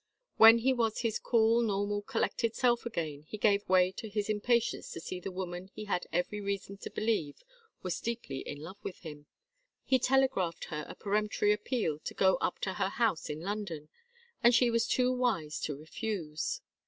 When he was his cool normal collected self again, he gave way to his impatience to see the woman he had every reason to believe was deeply in love with him. He telegraphed her a peremptory appeal to go up to her house in London, and she was too wise to refuse.